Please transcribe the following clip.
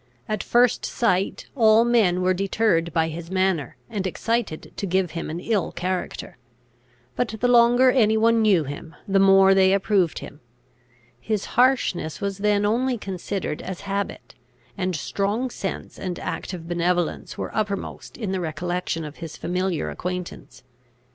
At first sight all men were deterred by his manner, and excited to give him an ill character. But the longer any one knew him, the more they approved him. His harshness was then only considered as habit; and strong sense and active benevolence were uppermost in the recollection of his familiar acquaintance.